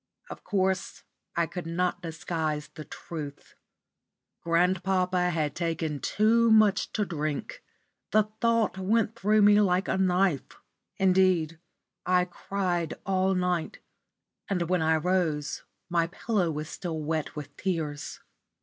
Of course I could not disguise the truth. Grandpapa had taken too much to drink. The thought went through me like a knife. Indeed, I cried all night, and when I rose my pillow was still wet with tears.